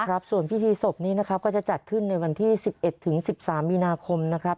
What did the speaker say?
ครับส่วนพิธีศพนี้นะครับก็จะจัดขึ้นในวันที่๑๑ถึง๑๓มีนาคมนะครับ